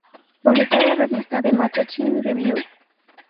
Publicaba la revista "The Mattachine Review".